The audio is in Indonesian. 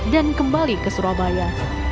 dan kembali ke surabaya